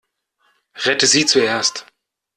Rette sie zuerst!